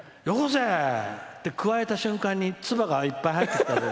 よこせ！って加えた瞬間につばがいっぱい入った。